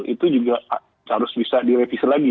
itu juga harus bisa direvisi lagi